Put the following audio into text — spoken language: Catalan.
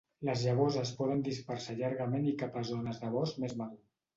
Les llavors es poden dispersar llargament i cap a zones de bosc més madur.